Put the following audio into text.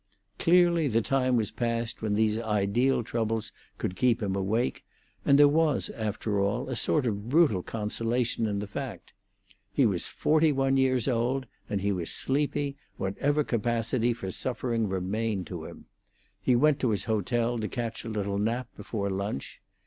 Clearly the time was past when these ideal troubles could keep him awake, and there was, after all, a sort of brutal consolation in the fact. He was forty one years old, and he was sleepy, whatever capacity for suffering remained to him. He went to his hotel to catch a little nap before lunch.